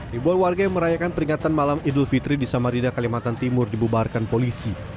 ribuan warga yang merayakan peringatan malam idul fitri di samarinda kalimantan timur dibubarkan polisi